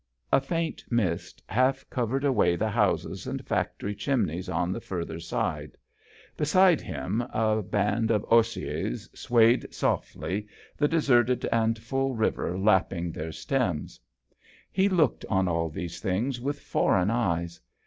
A faint mist half covered away the houses and fac tory chimneys on the further side; beside him a band of osiers swayed softly, the deserted and full river lapping their stems. He looked on all these things with foreign eyes.